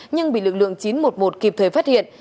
nhưng bị lực lượng chín trăm một mươi một kịp thời phát hiện